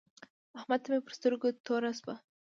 احمد ته مې پر سترګو توره شوه.